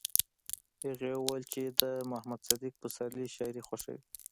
هغې وویل چې د محمد صدیق پسرلي شاعري خوښوي